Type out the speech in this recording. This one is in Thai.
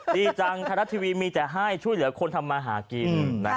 ดีจังไทยรัฐทีวีมีแต่ให้ช่วยเหลือคนทำมาหากิน